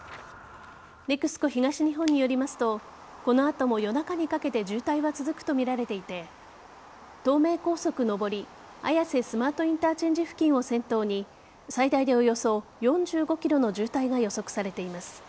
ＮＥＸＣＯ東日本によりますとこの後も、夜中にかけて渋滞が続くとみられていて東名高速上り綾瀬スマートインターチェンジ付近を先頭に最大で、およそ４５ｋｍの渋滞が予測されています。